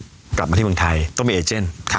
เราจะย้ายศพกลับมาที่เมืองไทยต้องมีเอกเจน